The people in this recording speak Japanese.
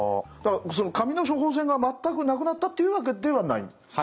紙の処方箋が全くなくなったっていうわけではないんですね。